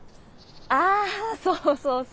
あそうそうそう。